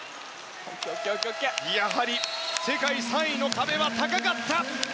やはり世界３位の壁は高かった。